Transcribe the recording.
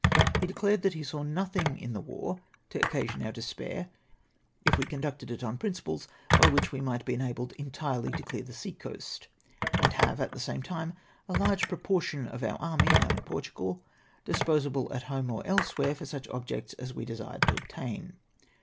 He declared that he saw nothing in the war to occasion our despair, if we conducted it on principles by which we might be enabled entirely to clear the sea coast, and have, at the same time, a large proportion of our army, now in Portugal, disposable at home or elsewhere, for such objects as we desired to obtain.